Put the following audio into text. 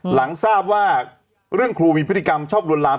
หลังทราบว่าเรื่องครูมีพฤติกรรมชอบลวนลาม